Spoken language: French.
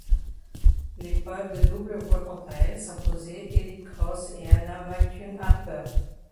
L'épreuve de double voit quant à elle s'imposer Edith Cross et Anna McCune Harper.